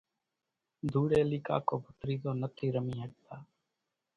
ڌوڙيلي ڪاڪو ڀتريزو نٿي رمي ۿڳتا،